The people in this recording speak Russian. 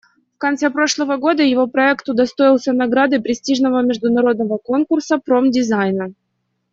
В конце прошлого года его проект удостоился награды престижного международного конкурса промдизайна.